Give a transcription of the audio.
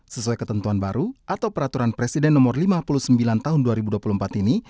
sesuai ketentuan baru atau peraturan presiden nomor lima puluh sembilan tahun dua ribu dua puluh empat ini